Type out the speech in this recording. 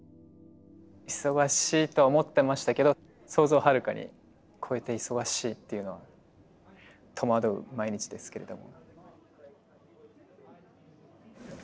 忙しいとは思ってましたけど想像をはるかに超えて忙しいっていうのは戸惑う毎日ですけれども。